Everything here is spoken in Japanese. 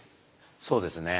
そうですね。